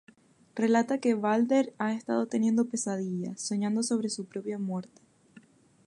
Relata que Balder ha estado teniendo pesadillas, soñando sobre su propia muerte.